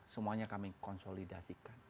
semuanya kami konsolidasikan